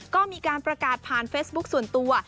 ก็มีการประกาศผ่านเฟซบุ๊คส่วนตัว